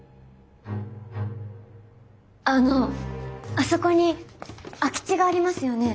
あのあそこに空き地がありますよね？